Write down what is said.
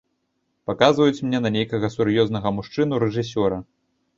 Паказваюць мне на нейкага сур'ёзнага мужчыну-рэжысёра.